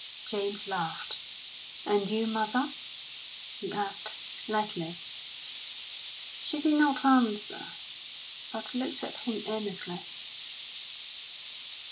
James laughed. "And you, mother?" he asked, lightly. She did not answer, but looked at him earnestly.